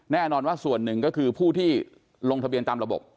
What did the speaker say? แน่นอนว่าส่วนหนึ่งก็คือผู้ที่ลงทะเบียนตามระบบ